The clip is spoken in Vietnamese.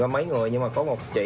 mấy người nhưng mà có một chị